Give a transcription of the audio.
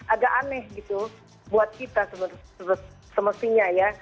agak aneh gitu buat kita semestinya ya